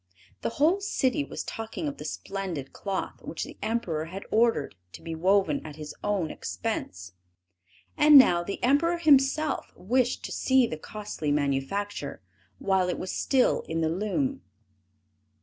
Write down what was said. The whole city was talking of the splendid cloth which the Emperor had ordered to be woven at his own expense. And now the Emperor himself wished to see the costly manufacture, while it was still in the loom.